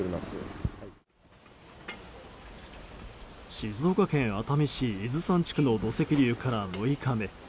静岡県熱海市伊豆山地区の土石流から６日目。